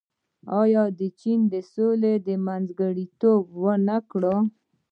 آیا چین د دې سولې منځګړیتوب ونه کړ؟